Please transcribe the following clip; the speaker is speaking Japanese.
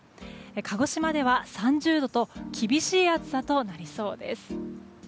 鹿児島では３０度と厳しい暑さとなりそうです。